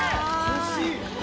欲しい。